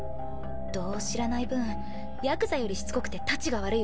度を知らない分やくざよりしつこくてたちが悪いわ。